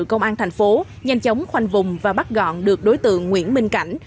công an thành phố nhanh chóng khoanh vùng và bắt gọn được đối tượng nguyễn minh cảnh